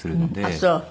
あっそう。